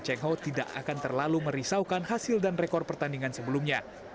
cheng ho tidak akan terlalu merisaukan hasil dan rekor pertandingan sebelumnya